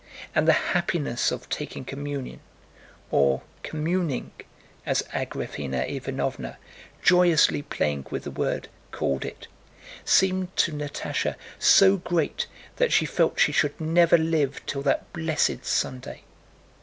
And the happiness of taking communion, or "communing" as Agraféna Ivánovna, joyously playing with the word, called it, seemed to Natásha so great that she felt she should never live till that blessed Sunday.